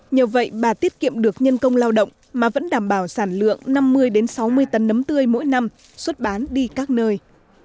nhờ vậy bà tiết kiệm được nhân công lao động mà vẫn đảm bảo sản lượng năm mươi sáu mươi tấn nấm tươi mỗi năm xuất bán đi các nơi